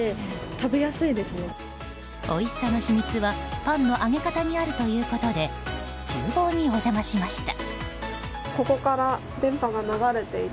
おいしさの秘密はパンの揚げ方にあるということで厨房にお邪魔しました。